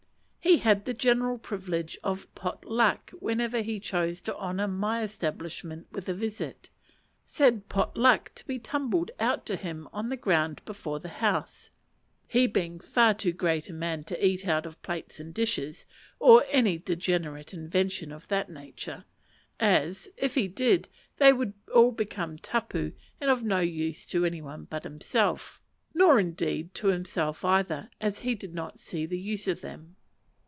He had the general privilege of "pot luck" whenever he chose to honour my establishment with a visit: said pot luck to be tumbled out to him on the ground before the house; he being far too great a man to eat out of plates or dishes, or any degenerate invention of that nature; as, if he did, they would all become tapu and of no use to any one but himself: nor indeed to himself either, as he did not see the use of them.